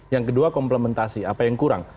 yang kedua komplementasi apa yang kurang